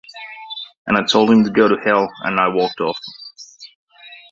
And I told him to go to hell, and I walked off.